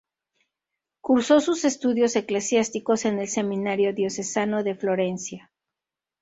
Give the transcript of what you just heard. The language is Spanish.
Cursó sus estudios eclesiásticos en el seminario diocesano de Florencia.